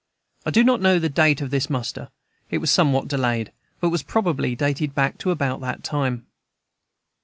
I do not know the date of his muster; it was somewhat delayed, but was probably dated back to about that time.